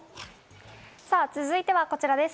続いてはこちらです。